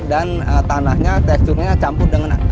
dan tanahnya teksturnya campur dengan panggungnya